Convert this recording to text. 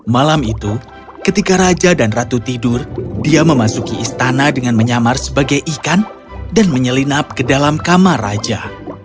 malam itu ketika raja dan ratu tidur dia memasuki istana dengan menyamar sebagai ikan dan menyelinap ke dalam kamar raja